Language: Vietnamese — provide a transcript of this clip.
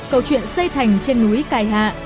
câu chuyện xây thành trên núi cài hạ